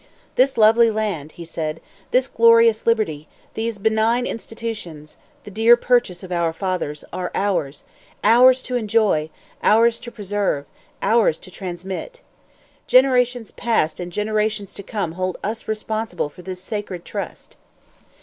"This lovely land," he said, "this glorious liberty, these benign institutions, the dear purchase of our fathers, are ours; ours to enjoy, ours to preserve, ours to transmit. Generations past and generations to come hold us responsible for this sacred trust.